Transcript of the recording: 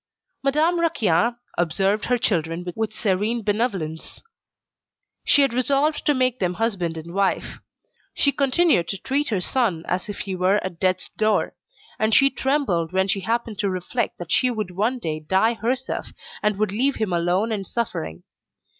Madame Raquin observed her children with serene benevolence. She had resolved to make them husband and wife. She continued to treat her son as if he were at death's door; and she trembled when she happened to reflect that she would one day die herself, and would leave him alone and suffering.